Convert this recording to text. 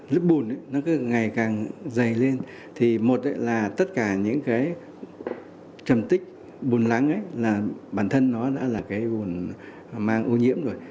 lớp bùn nó cứ ngày càng dày lên thì một là tất cả những cái trầm tích bùn lắng ấy là bản thân nó đã là cái bùn mang ô nhiễm rồi